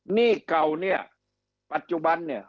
หนี้เก่าเนี่ยปัจจุบันเนี่ย